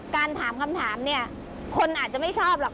ถามคำถามเนี่ยคนอาจจะไม่ชอบหรอก